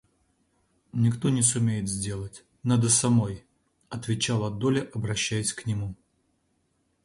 Никто не сумеет сделать, надо самой, — отвечала Долли, обращаясь к нему.